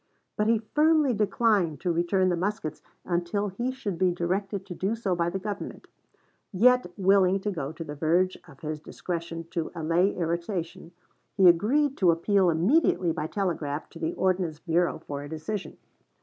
But he firmly declined to return the muskets until he should be directed to do so by the Government. Yet willing to go to the verge of his discretion to allay irritation, he agreed to appeal immediately by telegraph to the Ordnance Bureau for a decision.